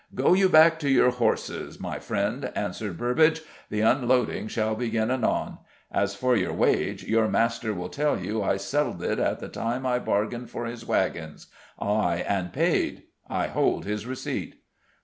"Go you back to your horses, my friend," answered Burbage. "The unloading shall begin anon. As for your wage, your master will tell you I settled it at the time I bargained for his wagons ay, and paid. I hold his receipt."